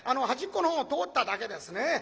端っこの方通っただけですね。